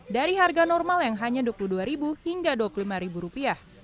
dari harga normal yang hanya rp dua puluh dua hingga rp dua puluh lima